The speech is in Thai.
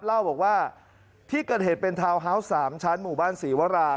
เล่าบอกว่าที่เกิดเหตุเป็นทาวน์ฮาวส์๓ชั้นหมู่บ้านศรีวรา